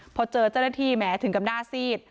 พอเจอเจ้าหน้าที่แหมถึงกับหน้าซีด